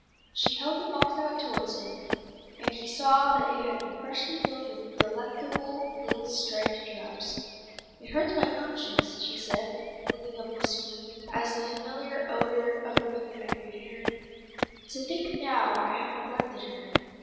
She held the box out towards him, and he saw that it had been freshly filled with delectable little striped drops. "It hurts my conscience," she said, looking up wistfully, as the familiar odour of the peppermint greeted her, "to think how I have neglected her.